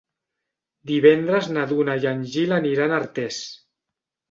Divendres na Duna i en Gil aniran a Artés.